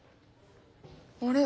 あれ？